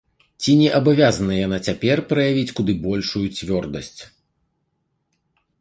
Ці не абавязана яна цяпер праявіць куды большую цвёрдасць?